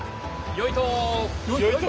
よいと。